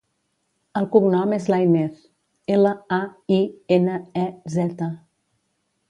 El cognom és Lainez: ela, a, i, ena, e, zeta.